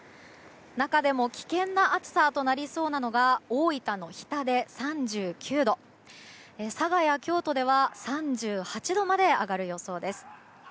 中でも危険な暑さとなりそうなのが大分の日田で３９度佐賀や京都では３８度まで上がる予想です。